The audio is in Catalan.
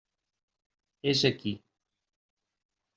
És aquí.